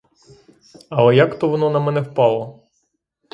Але як то воно на мене впало?